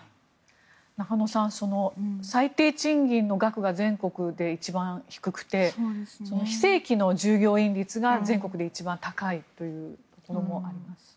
中野さん、最低賃金の額が全国で一番低くて非正規の従業員率が全国で一番高いということもあります。